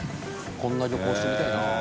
こんな旅行してみたいな。